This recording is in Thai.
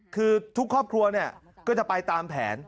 คือทุกครอบครัวก็จะไปตามแผน